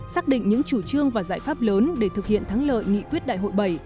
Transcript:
xác định những chủ trương và giải pháp lớn để thực hiện thắng lợi nghị quyết đại hội bảy